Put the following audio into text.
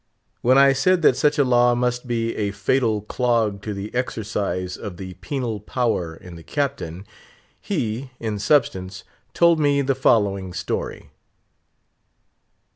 When I said that such a law must be a fatal clog to the exercise of the penal power in the Captain, he, in substance, told me the following story.